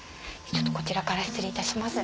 ちょっとこちらから失礼いたします。